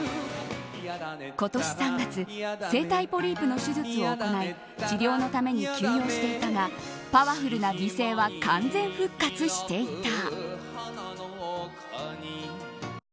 今年３月声帯ポリープの手術を行い治療のために休養していたがパワフルな美声は完全復活していた。